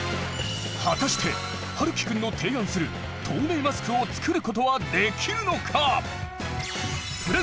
はたしてはるきくんの提案する透明マスクを作ることはできるのか！？